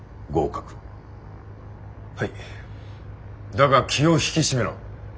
だが気を引き締めろ。